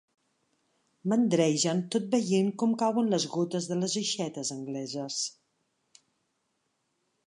Mandregen tot veient com cauen les gotes de les aixetes angleses.